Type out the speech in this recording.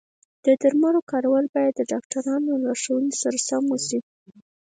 د درملو کارول باید د ډاکټر د لارښوونې سره سم وي.